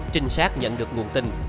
trinh sát nhận được nguồn tình